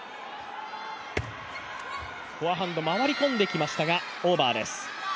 フォアハンド、回り込んできましたがオーバーです。